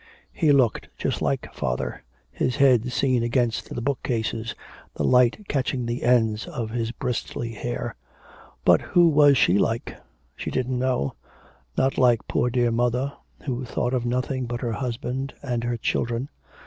He looked just like father, his head seen against the book cases, the light catching the ends of his bristly hair. But who was she like? she didn't know, not like poor dear mother who thought of nothing but her husband and her children.